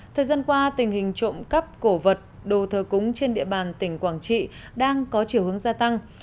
thời gian qua tình hình trộm cắp cổ vật đồ thờ cúng trên địa bàn tỉnh quảng trị đang có chiều hướng gia tăng